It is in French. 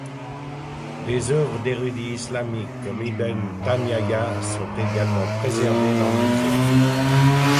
Des œuvres d'érudits islamiques, comme Ibn Taymiyyah, sont également préservées dans le musée.